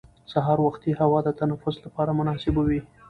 سهار وختي هوا د تنفس لپاره مناسبه وي